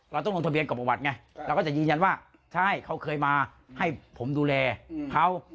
เราต้องลงทะเบียนกับประวัติไงเราก็จะยืนยันว่าใช่เขาเคยมาให้ผมดูแลเขา